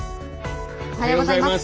おはようございます。